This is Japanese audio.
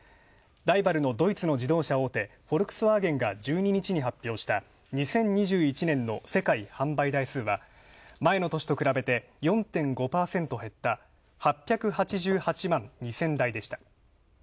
ライバルのドイツの自動車大手、フォルクスワーゲンが１２日に発表した２０２１年の世界販売台数は、前の年と比べて、４．５％減った、８８８万２０００台でした。